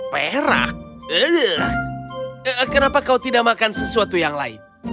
perak kenapa kau tidak makan sesuatu yang lain